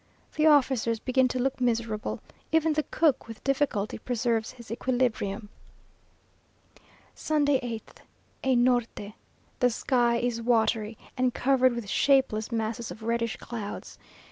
The officers begin to look miserable; even the cook with difficulty preserves his equilibrium. Sunday, 8th. A Norte! The sky is watery, and covered with shapeless masses of reddish clouds.